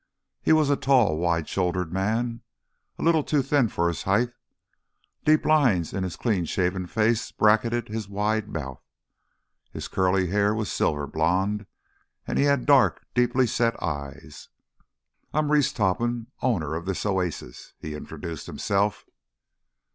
He was a tall, wide shouldered man, a little too thin for his height. Deep lines in his clean shaven face bracketed his wide mouth. His curly hair was a silvery blond, and he had dark, deeply set eyes. "I'm Reese Topham, owner of this oasis," he introduced himself.